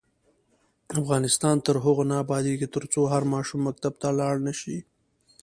افغانستان تر هغو نه ابادیږي، ترڅو هر ماشوم مکتب ته لاړ نشي.